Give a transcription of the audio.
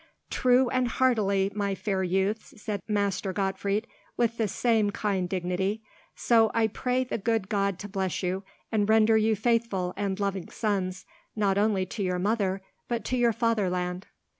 "Truly and heartily, my fair youths," said Master Gottfried, with the same kind dignity, "do I pray the good God to bless you, and render you faithful and loving sons, not only to your mother, but to your fatherland."